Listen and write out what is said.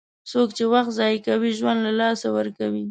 څوک چې وخت ضایع کوي، ژوند له لاسه ورکوي.